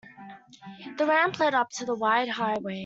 The ramp led up to the wide highway.